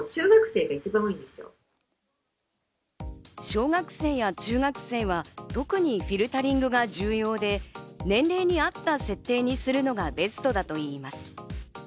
小学生や中学生は特にフィルタリングが重要で、年齢に合った設定にするのがベストだといいます。